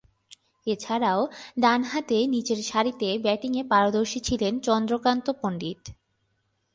এছাড়াও, ডানহাতে নিচেরসারিতে ব্যাটিংয়ে পারদর্শী ছিলেন চন্দ্রকান্ত পণ্ডিত।